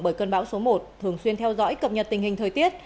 bởi cơn bão số một thường xuyên theo dõi cập nhật tình hình thời tiết